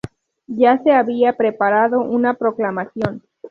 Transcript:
Ya se había preparado una proclamación.